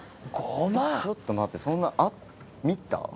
ちょっと待ってそんな。